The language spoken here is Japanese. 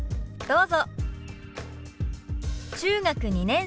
どうぞ。